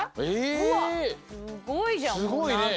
うわっすごいじゃん。